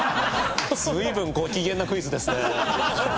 随分ご機嫌なクイズですね。